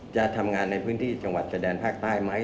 จะทำงานในพื้นที่จังหวัดชายแดนภาคใต้ไหม